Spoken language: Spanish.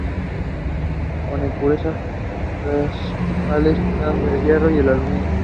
Como impurezas principales están el hierro y el aluminio.